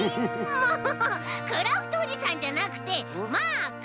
もうクラフトおじさんじゃなくてマーク！